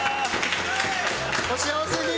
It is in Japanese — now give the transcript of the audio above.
お幸せに！